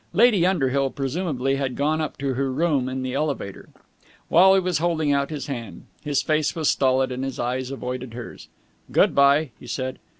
Lady Underhill presumably had gone up to her room in the elevator. Wally was holding out his hand. His face was stolid and his eyes avoided hers. "Good bye," he said.